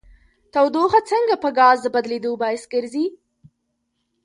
تودوخه څنګه په ګاز د بدلیدو باعث ګرځي؟